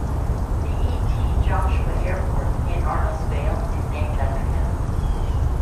The E. T. Joshua Airport in Arnos Vale is named after him.